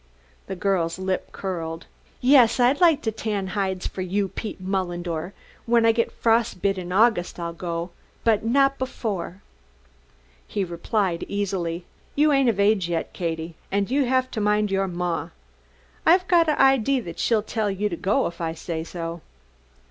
The girl's lip curled. "Yes, I'd like to tan hides for you, Pete Mullendore! When I get frost bit in August I'll go, but not before." He replied easily: "You ain't of age yet, Katie, and you have to mind your maw. I've got an idee that she'll tell you to go if I say so."